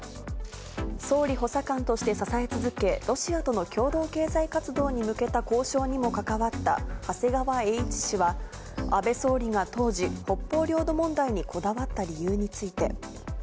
総理補佐官として支え続け、ロシアとの共同経済活動に向けた交渉にも関わった長谷川榮一氏は、安倍総理が当時、北方領土問題にこだわった理由について。